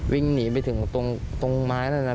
วิ่งหนีไปถึงตรงไม้นั่นนะ